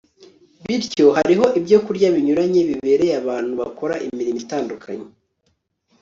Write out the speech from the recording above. bityo hariho ibyokurya binyuranye bibereye abantu bakora imirimo itandukanye